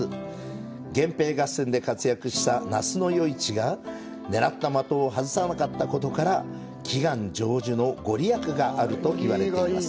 源平合戦で活躍した那須与一が狙った的を外さなかったことから祈願成就のご利益があるといわれています。